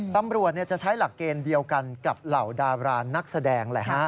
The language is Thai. ตำรวจจะใช้หลักเกณฑ์เดียวกันกับเหล่าดารานักแสดง